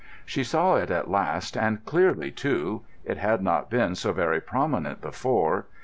She saw it at last, and clearly too; it had not been so very prominent before.